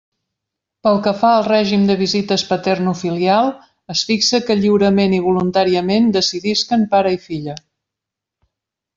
Pel que fa al règim de visites paternofilial, es fixa que lliurament i voluntàriament decidisquen pare i filla.